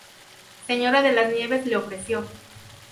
Sra, de las Nieves, le ofreció.